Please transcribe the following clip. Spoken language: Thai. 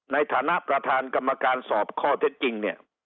ในฐานะประธานกรรมการสอบข้อเท็จจริงเนี่ย